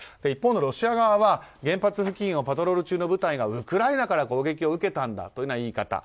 一方のロシア側は原発付近をパトロール中の部隊がウクライナから攻撃を受けたという言い方。